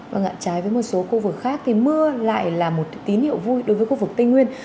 vâng ạ trái với một số khu vực khác thì mưa lại là một tín hiệu vui đối với khu vực tây nguyên